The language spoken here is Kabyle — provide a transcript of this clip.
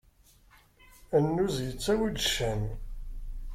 Annuz yettawi-d ccan.